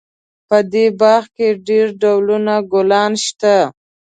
په دې باغ کې ډېر ډولونه ګلونه شته